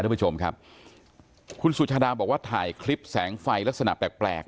ท่านผู้ชมครับคุณสุชาดาบอกว่าถ่ายคลิปแสงไฟลักษณะแปลกแปลก